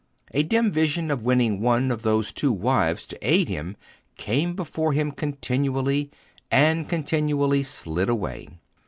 A dim vision of winning one of those two wives to aid him came before him continually, and continually slid away.